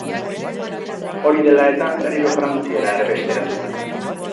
Hori dela eta, berriro Frantziara erbesteratu zen.